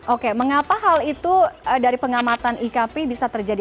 oke mengapa hal itu dari pengamatan ikp bisa terjadi